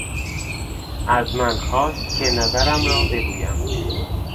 از من خواست که نظرم را بگویم.